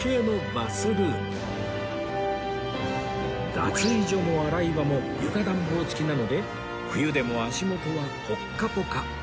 脱衣所も洗い場も床暖房付きなので冬でも足元はポッカポカ